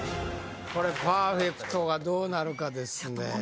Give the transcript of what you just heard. これパーフェクトがどうなるかですね